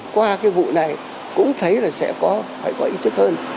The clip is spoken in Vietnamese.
qua cái vụ này cũng thấy là sẽ có phải có ý thức hơn